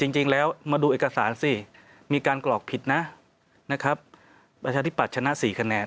จริงแล้วมาดูเอกสารสิมีการกรอกผิดนะนะครับประชาธิปัตยชนะ๔คะแนน